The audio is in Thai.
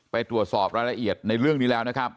ไปตรวจสอบรายละเอียดในเรื่องนี้แล้วนะครับ